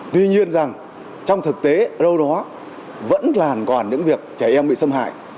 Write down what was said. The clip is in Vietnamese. tuy nhiên rằng trong thực tế đâu đó vẫn làn còn những việc trẻ em bị xâm hại